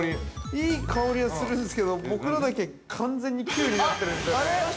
◆いい香りはするんですけど、僕のだけ完全にＱになってるんですけど。